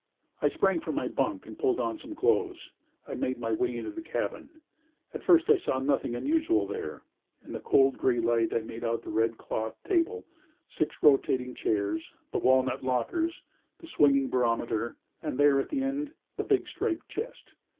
I sprang from my bunk, and, pulling on some clothes, I made my way into the cabin. At first I saw nothing unusual there. In the cold, grey light I made out the red clothed table, the six rotating chairs, the walnut lockers, the swinging barometer, and there, at the end, the big striped chest.